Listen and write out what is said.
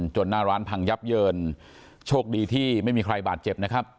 หน้าร้านพังยับเยินโชคดีที่ไม่มีใครบาดเจ็บนะครับ